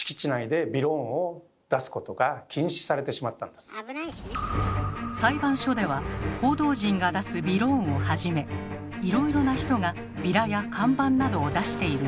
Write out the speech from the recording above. でも裁判所では報道陣が出すびろーんをはじめいろいろな人がビラや看板などを出している状況。